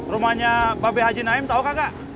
rumahnya babe haji naim tau kagak